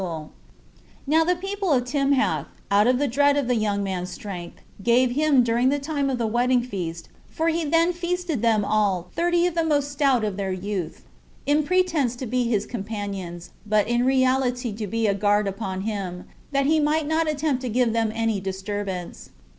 Now the people of Timhath, out of a dread of the young man's strength, gave him during the time of the wedding feast [for he then feasted them all] thirty of the most stout of their youth, in pretense to be his companions, but in reality to be a guard upon him, that he might not attempt to give them any disturbance.